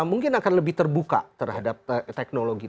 mungkin akan lebih terbuka terhadap teknologi